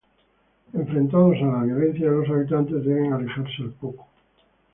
Enfrentados a la violencia de los habitantes, deben alejarse al poco.